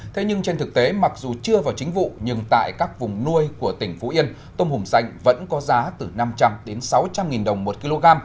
thế nhưng trên thực tế mặc dù chưa vào chính vụ nhưng tại các vùng nuôi của tỉnh phú yên tôm hùm xanh vẫn có giá từ năm trăm linh đến sáu trăm linh nghìn đồng một kg